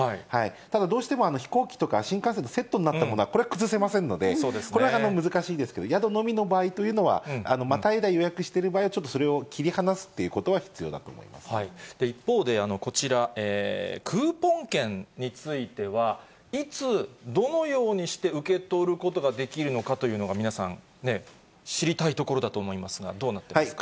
ただ、どうしても飛行機とか新幹線のセットになったものは、これは崩せませんので、これは難しいですけど、宿のみの場合というのは、またいで予約している場合は、ちょっとそれを切り離すというこ一方で、こちら、クーポン券については、いつ、どのようにして受け取ることができるのかというのが、皆さん、知りたいところだと思いますが、どうなってますか。